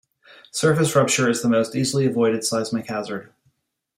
Surface rupture is the most easily avoided seismic hazard.